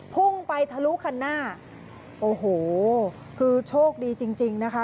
พุ่งไปทะลุคันหน้าโอ้โหคือโชคดีจริงจริงนะคะ